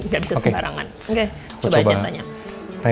gak bisa sembarangan oke coba aja tanya